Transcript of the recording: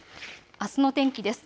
あすの天気です。